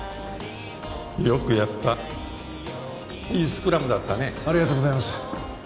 よくやったいいスクラムだったねありがとうございます